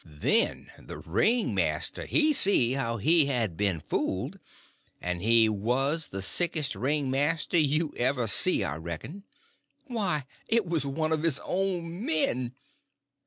Then the ringmaster he see how he had been fooled, and he was the sickest ringmaster you ever see, I reckon. Why, it was one of his own men!